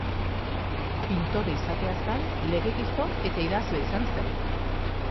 Pintore izateaz gainera, legegizon eta idazlea izan zen.